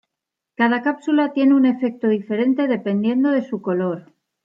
Cada cápsula tiene un efecto diferente dependiendo de su color.